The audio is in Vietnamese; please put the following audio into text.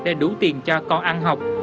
để đủ tiền cho con ăn học